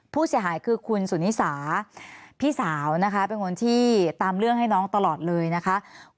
ผู้เสียหายคือคุณสุนิสาพี่สาวนะคะเป็นคนที่ตามเรื่องให้น้องตลอดเลยนะคะ